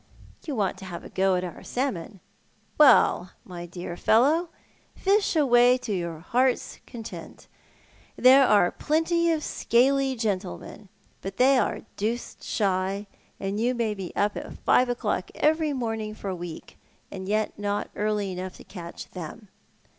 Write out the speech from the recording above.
"You want to have a go at our salmon. Well, my dear fellow, lish away to your heart's content. There are plenty of scaly gentlemen, but they are deuced shy, and you may be up at five o'clock every morning for a week and yet not early enough to cat^h them.